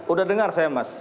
udah dengar saya mas